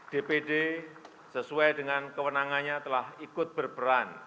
dpd sesuai dengan kewenangannya telah ikut berperan